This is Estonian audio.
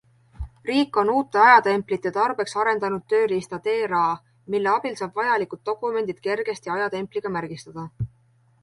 Riik on uute ajatemplite tarbeks arendanud tööriista TeRa, mille abil saab vajalikud dokumendid kergesti ajatempliga märgistada.